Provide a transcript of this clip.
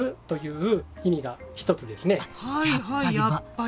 まずはいはいやっぱり。